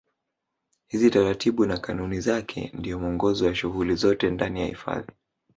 Hizi taratibu na kanuni zake ndio mwongozo wa shughuli zote ndani ya hifadhi